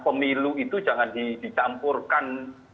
pemilu itu jangan dicampurkan